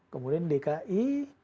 kemudian dki dua empat ratus